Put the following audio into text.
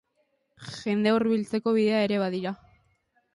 Jendea hurbiltzeko bidea ere badira.